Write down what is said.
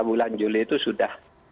bulan juli itu sudah